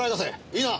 いいな？